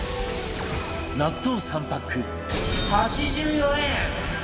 納豆３パック、８４円！